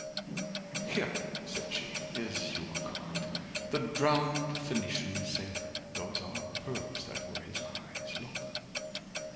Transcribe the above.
Here, said she, Is your card, the drowned Phoenician Sailor, (Those are pearls that were his eyes. Look!)